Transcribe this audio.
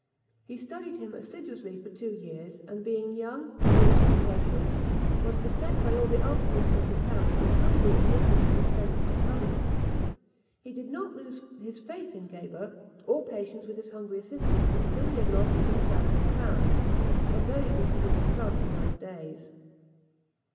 He studied him assiduously for two years; and being young, rich, and credulous, was beset by all the alchymists of the town, who kindly assisted him in spending his money. He did not lose his faith in Geber, or patience with his hungry assistants, until he had lost two thousand crowns a very considerable sum in those days.